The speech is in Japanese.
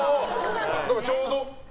ちょうど。